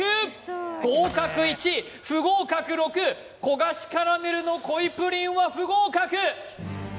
合格１不合格６焦がしカラメルの濃プリンは不合格！